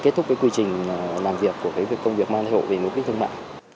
kết thúc quy trình làm việc của công việc mang thai hộ vì mục đích thương mại